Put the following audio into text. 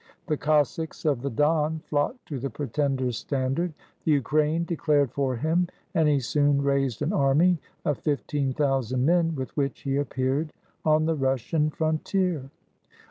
The Cossacks of the Don flocked to the pretender's standard. The Ukraine declared for him, and he soon raised an army of fifteen thousand men, with which he appeared on the Russian frontier.